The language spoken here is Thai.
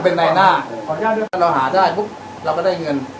เป็นในหน้าขออนุญาตด้วยว่าเราหาได้ปุ๊บเราก็ได้เงิน